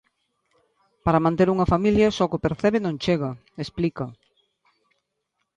Para manter unha familia, só co percebe non chega, explica.